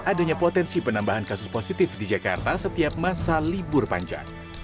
adanya potensi penambahan kasus positif di jakarta setiap masa libur panjang